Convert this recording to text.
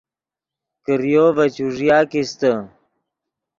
کریو ڤے چوݱیا کیستے